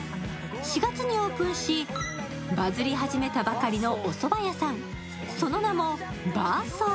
４月にオープンし、バズり始めたばかりのおそば屋さん、その名も、ＢＡＳＯ。